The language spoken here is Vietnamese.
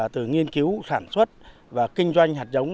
từ nghiên cứu sản xuất và kinh doanh hạt giống